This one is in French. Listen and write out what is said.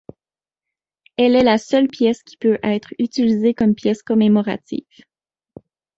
Elle est la seule pièce qui peut être utilisée comme pièce commémorative.